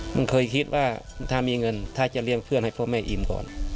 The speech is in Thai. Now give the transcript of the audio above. ผมเคยคิดว่าเมื่อลูกเขาให้เงินจะจะเรียนเข้ามาที่ผิดเพื่อนเพื่อนที่ให้พ่อเมย์อิ่มก่อน